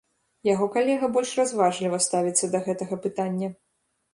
Яго калега больш разважліва ставіцца да гэтага пытання.